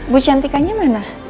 bu cantikannya mana